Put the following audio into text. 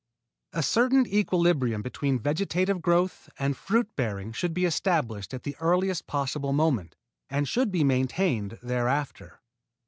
A certain equilibrium between vegetative growth and fruit bearing should be established at the earliest possible moment, and should be maintained thereafter.